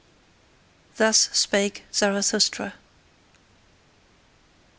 Thus spake Zarathustra.